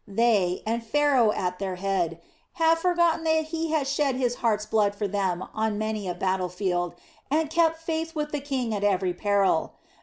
They, and Pharaoh at their head, have forgotten that he has shed his heart's blood for them on many a battlefield, and kept faith with the king at every peril.